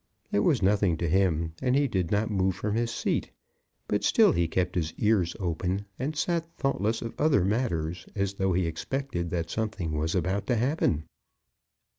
It was nothing to him, and he did not move from his seat; but still he kept his ears open, and sat thoughtless of other matters, as though he expected that something was about to happen.